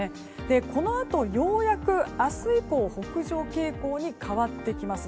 このあとようやく明日以降北上傾向に変わってきます。